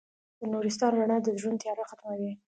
د نورستان رڼا د زړونو تیاره ختموي.